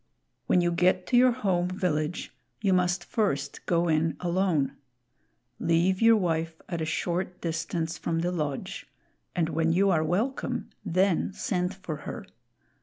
When you get to your home village, you must first go in alone. Leave your wife at a short distance from the lodge, and when you are welcome, then send for her.